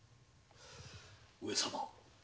上様